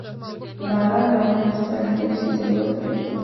باران د افغانستان طبعي ثروت دی.